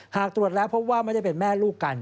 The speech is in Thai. หากตรวจแล้วพบว่าไม่ได้เป็นแม่ลูกกัน